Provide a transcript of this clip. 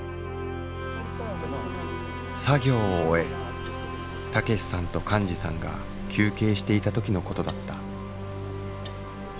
作業を終え武さんと寛司さんが休憩していた時のことだった。